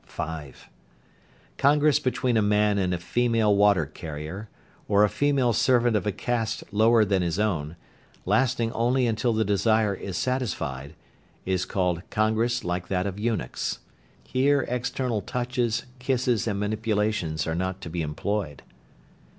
(5). Congress between a man and a female water carrier, or a female servant of a caste lower than his own, lasting only until the desire is satisfied, is called "congress like that of eunuchs." Here external touches, kisses, and manipulations are not to be employed.